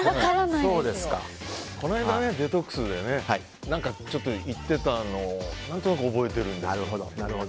この間、デトックスでちょっと言っていたのを何となく覚えてるんです。